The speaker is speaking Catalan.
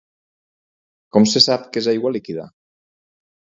Com se sap que és aigua líquida?